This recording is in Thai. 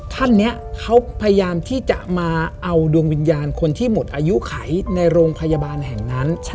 ท่านนี้เขาพยายามที่จะมาเอาดวงวิญญาณคนที่หมดอายุไขในโรงพยาบาลแห่งนั้น